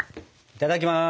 いただきます。